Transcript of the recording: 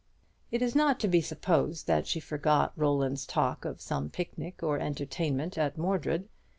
It is not to be supposed that she forgot Roland's talk of some picnic or entertainment at Mordred.